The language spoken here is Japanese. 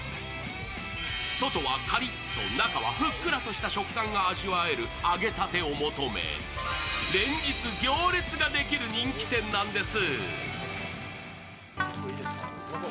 外はカリッと、中はふっくらとした触感が味わえる揚げたてを求め連日、行列ができる人気店なんです。